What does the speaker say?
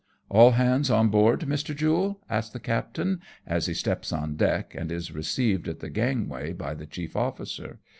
" All hands on board, Mr. Jule ?" asks the captain, as he steps on deck, and is received at the gangway by the chief officer.